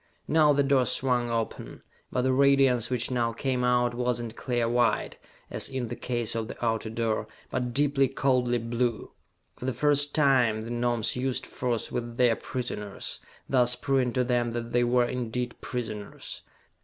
Now the door swung open; but the radiance which now came out was not clear white, as in the case of the outer door, but deeply, coldly blue. For the first time the Gnomes used force with their prisoners, thus proving to them that they were indeed prisoners.